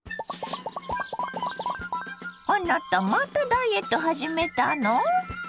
あなたまたダイエット始めたの？